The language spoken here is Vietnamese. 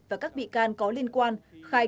và các bị can có liên quan khai